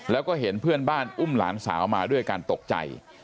แล้วก็เห็นเพื่อนบ้านอุ้มหลานสาวมาด้วยการตกใจ